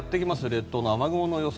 列島の雨雲の様子。